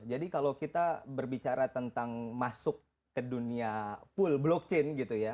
jadi kalau kita berbicara tentang masuk ke dunia full blockchain gitu ya